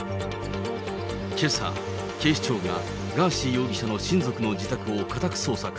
けさ、警視庁がガーシー容疑者の親族の自宅を家宅捜索。